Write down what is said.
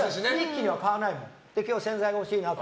今日、洗剤が欲しいなって